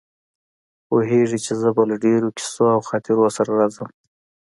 پوهېږي چې زه به له ډېرو کیسو او خاطرو سره راځم.